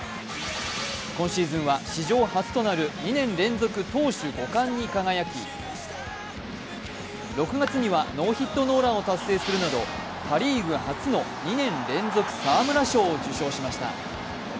今シーズンは史上初となる２年連続の投手５冠に輝き６月にはノーヒットノーランを達成するなどパ・リーグ初の２年連続沢村賞を受賞しました。